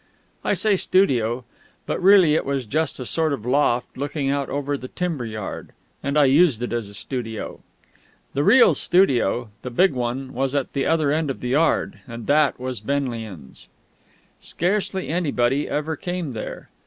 I say "studio"; but really it was just a sort of loft looking out over the timber yard, and I used it as a studio. The real studio, the big one, was at the other end of the yard, and that was Benlian's. Scarcely anybody ever came there.